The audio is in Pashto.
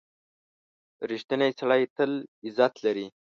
• رښتینی سړی تل عزت لري.